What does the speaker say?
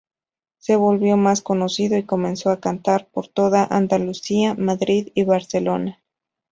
Se volvió más conocido y comenzó a cantar por toda Andalucía, Madrid y Barcelona.